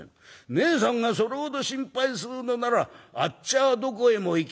ねえさんがそれほど心配するのならあっちはどこへも行きませんよ』